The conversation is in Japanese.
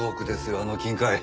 あの金塊。